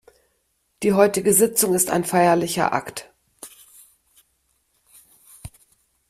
Die heutige Sitzung ist ein feierlicher Akt.